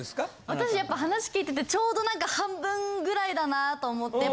私やっぱ話聞いててちょうどなんか半分ぐらいだなあと思って。